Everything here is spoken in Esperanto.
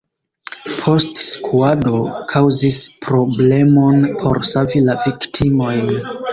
Postskuado kaŭzis problemon por savi la viktimojn.